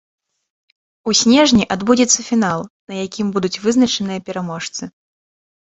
У снежні адбудзецца фінал, на якім будуць вызначаныя пераможцы.